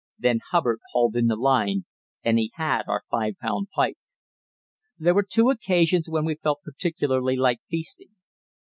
Then Hubbard hauled in the line, and he had our five pound pike. There were two occasions when we felt particularly like feasting.